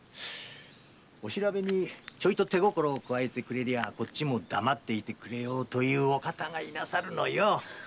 お調べにちょいと手心を加えてくれりゃこっちも黙っていようというお方がいなさるのよ。